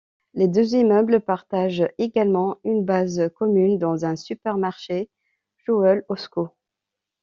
Les deux immeubles partagent également une base commune dont un supermarché Jewel-Osco.